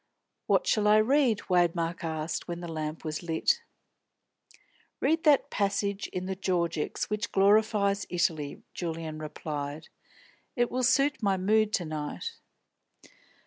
"What shall I read?" Waymark asked, when the lamp was lit. "Read that passage in the Georgics which glorifies Italy," Julian replied. "It will suit my mood to night."